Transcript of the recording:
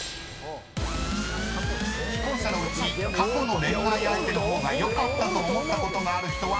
［既婚者のうち過去の恋愛相手の方がよかったと思ったことがある人は？